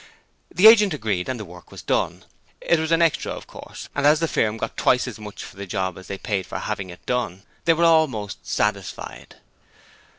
The agent agreed and the work was done: it was an extra, of course, and as the firm got twice as much for the job as they paid for having it done, they were almost satisfied.